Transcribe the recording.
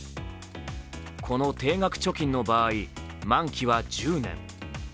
この定額貯金の場合、満期は１０年。